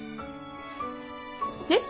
えっ？